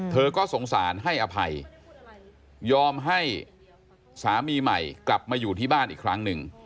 เธอก็สงสารให้อภัยยอมให้สามีใหม่กลับมาอยู่ที่บ้านอีกครั้งหนึ่ง